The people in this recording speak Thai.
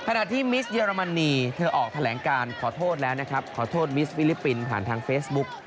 ขณะที่มิสเยอรมนีเธอออกแถลงการขอโทษแล้วนะครับขอโทษมิสฟิลิปปินส์ผ่านทางเฟซบุ๊ก